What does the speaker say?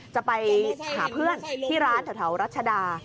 จะไปหาเพื่อนที่ร้านแถวรัชดา